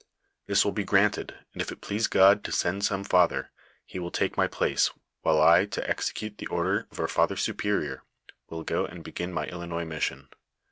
This will be granted, and if it please God to send some father, he will take my place, while I, to execute the orders of our father superior, will go and begin my Ilinois mission.